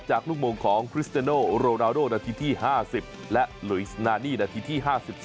ลูกโมงของคริสเตโนโรนาโดนาทีที่๕๐และหลุยสนานี่นาทีที่๕๒